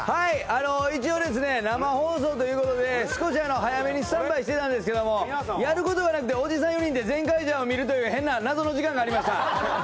一応、生放送ということで少し早めにスタンバイしてたんですけどもやることがなくておじさん４人で「ゼンカイジャー」を見るという謎の時間がありました。